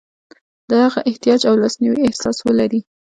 د هغه احتیاج او لاسنیوي احساس ولري.